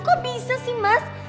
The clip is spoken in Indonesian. kok bisa sih mas